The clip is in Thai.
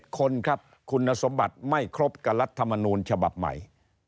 คนครับคุณสมบัติไม่ครบกับรัฐมนูลฉบับใหม่